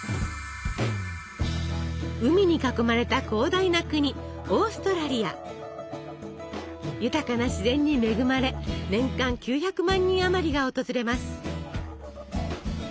海に囲まれた広大な国豊かな自然に恵まれ年間９００万人あまりが訪れます。